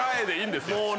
でいいんですよ。